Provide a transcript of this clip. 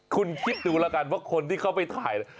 คุณคิดดูแล้วกันว่าคนที่เข้าไปถ่าย